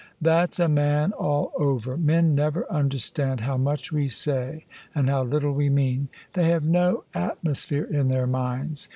"That's a man all over! Men never understand how much we say and how little we mean : they have no atmos phere in their minds.